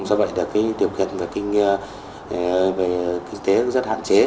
do vậy điều kiện về kinh tế rất hạn chế